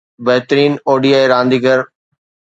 بهترين ODI رانديگر